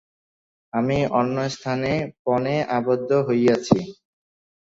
আমি অন্যস্থানে পণে আবদ্ধ হইয়াছি।